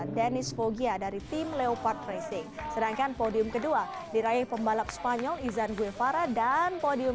dennis fogia dari tim leopard racing sedangkan podium kedua diraih pembalap spanyol izan guifara dan podium